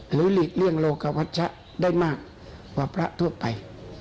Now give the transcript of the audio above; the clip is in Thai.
หลีกเลี่ยงโลกวัชชะได้มากกว่าพระทั่วไป